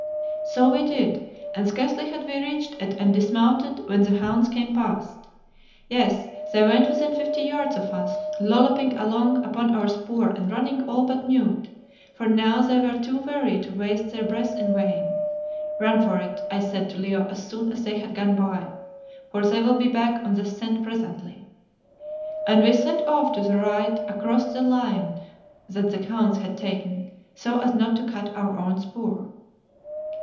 So we did, and scarcely had we reached it and dismounted when the hounds came past. Yes, they went within fifty yards of us, lolloping along upon our spoor and running all but mute, for now they were too weary to waste their breath in vain. "Run for it," I said to Leo as soon as they had gone by, "for they will be back on the scent presently," and we set off to the right across the line that the hounds had taken, so as not to cut our own spoor.